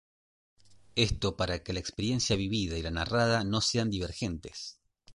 Esto para que la experiencia vivida y la narrada no sean divergentes.